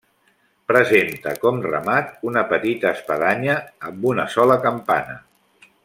Presenta com remat una petita espadanya amb una sola campana.